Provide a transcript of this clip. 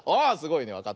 あすごいね。